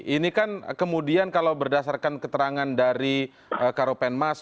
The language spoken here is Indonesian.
ini kan kemudian kalau berdasarkan keterangan dari karopenmas